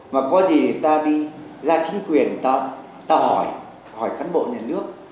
mà có gì ta đi ra chính quyền ta hỏi hỏi cán bộ nhà nước